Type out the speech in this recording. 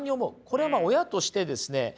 これは親としてですね